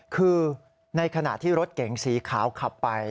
คือในขณะที่รถเก๋งสีขาวขับไป